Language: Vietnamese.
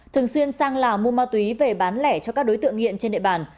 thường xuyên sang lào mua ma túy về bán lẻ cho các đối tượng nghiện trên địa bàn